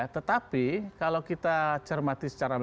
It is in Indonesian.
tetapi kalau kita cermati secara